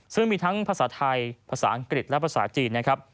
ซึ่งมีทั้งภาษาไทยภาษาอังกฤษและภาษาจีนนะครับ